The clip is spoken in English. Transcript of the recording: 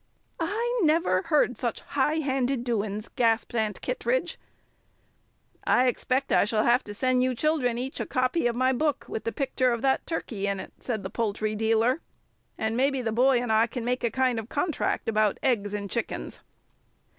"I never heard of such high handed doin's!" gasped Aunt Kittredge. "I expect I shall have to send you children each a copy of my book with the picter of that turkey in it," said the poultry dealer. "And maybe the boy and I can make kind of a contract about eggs and chickens."